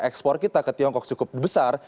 ekspor kita ke tiongkok cukup besar